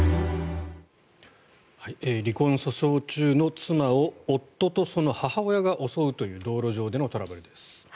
離婚訴訟中の妻を夫とその母親が襲うという道路上でのトラブルです。